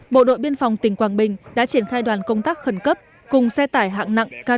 bộ đội biên phòng tỉnh quảng bình đã triển khai đoàn công tác khẩn cấp cùng xe tải hạng nặng